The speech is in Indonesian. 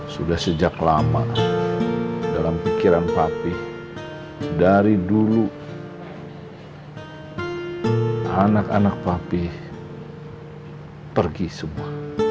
sudah sejak lama dalam pikiran papi dari dulu anak anak papi pergi semua